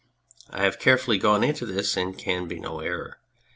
I have carefully gone into this and there can be no error.